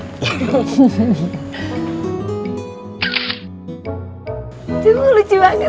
itu lucu banget